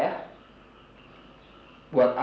yang satu ini buat siapa ya